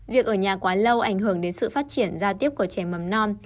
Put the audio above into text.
việc ở nhà quá lâu ảnh hưởng đến sự phát triển giao tiếp của trẻ mầm non